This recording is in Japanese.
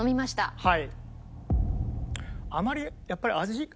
はい。